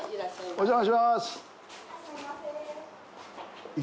お邪魔します。